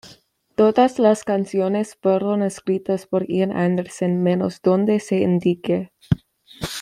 Todas las canciones fueron escritas por Ian Anderson, menos donde se indique.